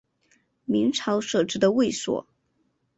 明朝设置的卫所。